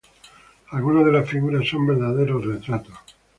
Algunas de las figuras son verdaderos retratos.